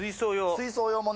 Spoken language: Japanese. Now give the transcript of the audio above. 水槽用もね。